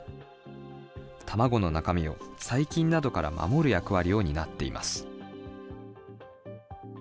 卵の中身を細菌などから守る役割を担っています。